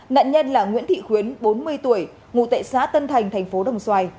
nạn nhân là nguyễn thị khuyến bốn mươi tuổi ngụ tại xã tân thành tp đồng xoài